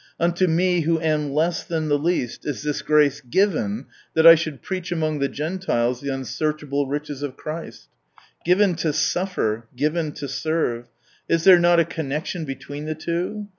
Unto me, who am less than the least, is this grace given that I should preach among the Gentiles the unsearchable riches of Christ." Given to suffer^ Given to sen*t\ Is there not a connection between the two